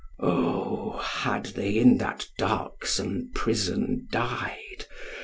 O, had they in that darksome prison died!